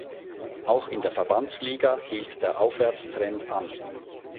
Auch in der Verbandsliga hielt der Aufwärtstrend an.